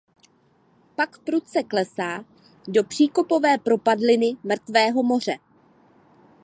Pak prudce klesá do příkopové propadliny Mrtvého moře.